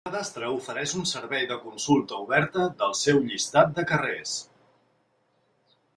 El cadastre ofereix un servei de consulta oberta del seu llistat de carrers.